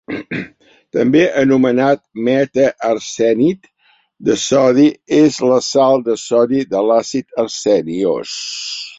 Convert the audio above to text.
També anomenat "meta"-arsenit de sodi, és la sal de sodi de l'àcid arseniós.